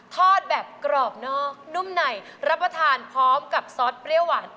ทอดแบบกรอบนอกนุ่มในรับประทานพร้อมกับซอสเปรี้ยวหวาน